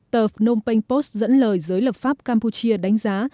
tờ phnom penh post dẫn lời giới lập pháp campuchia đánh giá